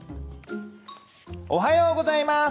おはようございます。